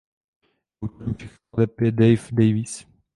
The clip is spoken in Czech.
Autorem všech skladeb je Dave Davies.